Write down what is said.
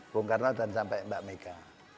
bung karno dan sampai mbak mega